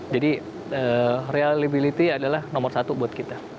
jadi reliability adalah nomor satu buat kita